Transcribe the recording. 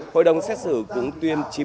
hội đồng xét xử cũng tuyên